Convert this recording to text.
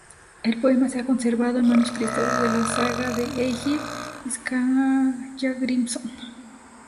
El poema se ha conservado en manuscritos de la "Saga de Egil Skallagrímson".